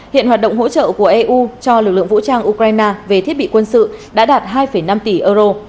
hiện hoạt động hỗ trợ của eu cho lực lượng vũ trang ukraine về thiết bị quân sự đã đạt hai năm tỷ euro